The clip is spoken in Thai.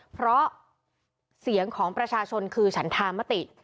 เพราะเสียงของประชาชนคือฉันธามติ